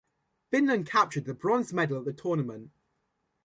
Finland captured the bronze medal at the tournament.